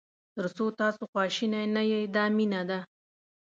تر څو تاسو خواشینی نه شئ دا مینه ده.